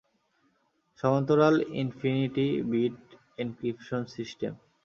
সমান্তরাল infinity bit encryption system.